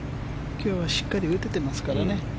今日はしっかり打ててますからね。